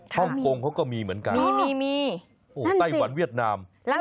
ฮ่องกงเขาก็มีเหมือนกันมีมีไต้หวันเวียดนาม